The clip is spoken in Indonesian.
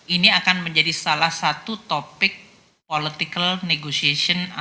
ini akan menjadi salah satu topik politikal negosiasi antara